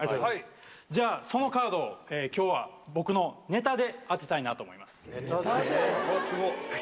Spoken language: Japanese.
じゃあ、そのカードをきょうは僕のネタで当てたいなと思います。